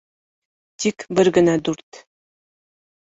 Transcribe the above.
Тик бер генә дүрт